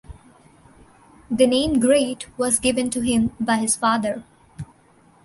The name ‘Great’ was given to him by his father.